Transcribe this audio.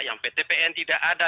yang ptpn tidak ada